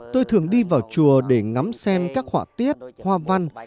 tôi thường đi vào chùa để ngắm xem các họa tiết hoa văn